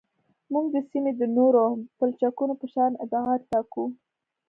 موږ د سیمې د نورو پلچکونو په شان ابعاد ټاکو